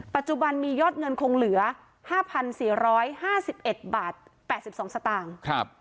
ปัจจุบันมียอดเงินคงเหลือห้าพันสี่ร้อยห้าสิบเอ็ดบาทแปดสิบสองสตางค์ครับ